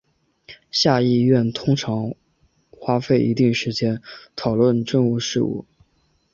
下议院通常花费一定时间讨论政府事务。